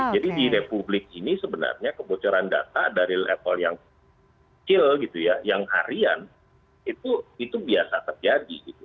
jadi di republik ini sebenarnya kebocoran data dari level yang kecil yang harian itu biasa terjadi